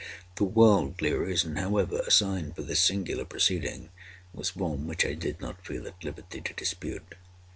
The worldly reason, however, assigned for this singular proceeding, was one which I did not feel at liberty to dispute.